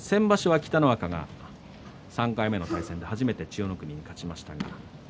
先場所は北の若が３回目の対戦で初めて千代の国に勝ちました。